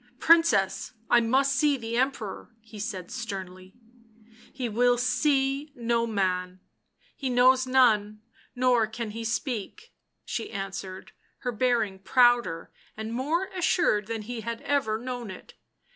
" Princess, I must see the Emperor," he said sternly. £/ He will see no man — he knows none nor can he speak," she answered, her bearing prouder and more assured than he had ever known it.